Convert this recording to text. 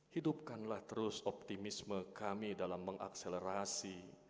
hidupkanlah terus optimisme kami dalam mengakselerasi